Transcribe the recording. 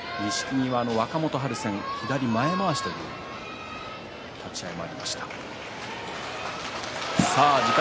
若元春戦、錦木は左の前まわしという立ち合いもありました。